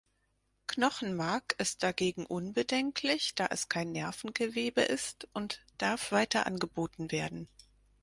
Knochenmark ist dagegen unbedenklich, da es kein Nervengewebe ist, und darf weiter angeboten werden.